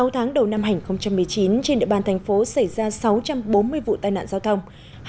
sáu tháng đầu năm hai nghìn một mươi chín trên địa bàn thành phố xảy ra sáu trăm bốn mươi vụ tai nạn giao thông